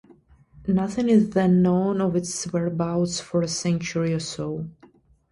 Nothing is then known of its whereabouts for a century or so.